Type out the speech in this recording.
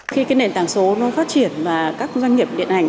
khi cái nền tảng số nó phát triển và các doanh nghiệp điện ảnh